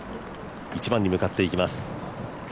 １番に向かっていきます。